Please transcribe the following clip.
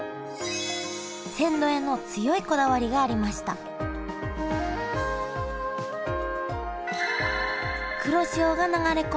鮮度への強いこだわりがありました黒潮が流れ込み